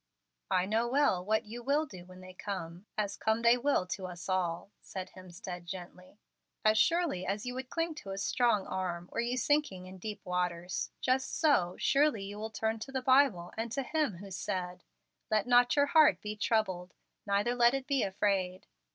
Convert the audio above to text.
"I know well what you will do when they come, as come they will to us all," said Hemstead, gently. "As surely as you would cling to a strong arm were you sinking in deep waters, just so surely you will turn to the Bible, and to Him who said, 'Let not your heart be troubled, neither let it be afraid.'"